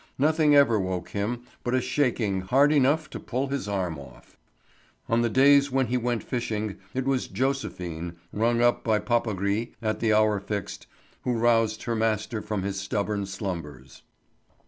Nothing ever woke him but a shaking hard enough to pull his arm off. On the days when he went fishing it was Joséphine, rung up by Papagris at the hour fixed, who roused her master from his stubborn slumbers.